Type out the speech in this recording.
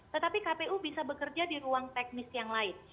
tetapi kpu bisa bekerja di ruang teknis yang lain